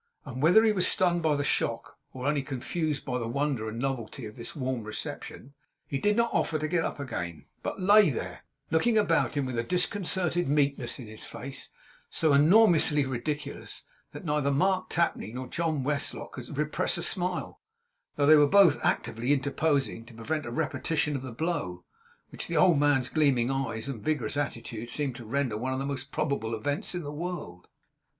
And whether he was stunned by the shock, or only confused by the wonder and novelty of this warm reception, he did not offer to get up again; but lay there, looking about him with a disconcerted meekness in his face so enormously ridiculous, that neither Mark Tapley nor John Westlock could repress a smile, though both were actively interposing to prevent a repetition of the blow; which the old man's gleaming eyes and vigorous attitude seemed to render one of the most probable events in the world.